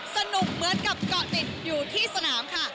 สนุกเหมือนกับก็ติดอยู่ที่สนามค่ะ